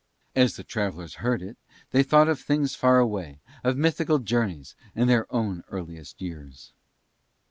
As the travellers heard it they thought of things far away, of mythical journeys and their own earliest years.